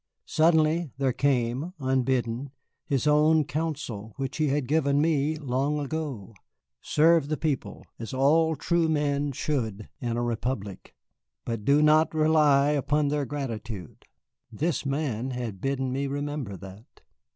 Suddenly there came, unbidden, his own counsel which he had given me long ago, "Serve the people, as all true men should in a Republic, but do not rely upon their gratitude." This man had bidden me remember that.